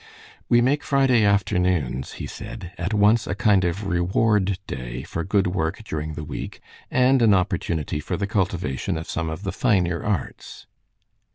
"We make Friday afternoons," he said, "at once a kind of reward day for good work during the week, and an opportunity for the cultivation of some of the finer arts."